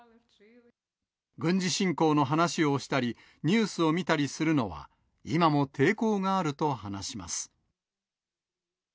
軍事侵攻の話をしたり、ニュースを見たりするのは、今も抵抗があると話します。